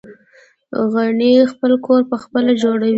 غڼې خپل کور پخپله جوړوي